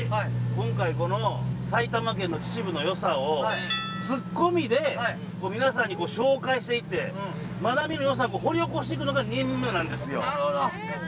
今回この埼玉県の秩父のよさをツッコミで皆さんに紹介していってまだ見ぬよさを掘り起こしていくのが任務なんですよ。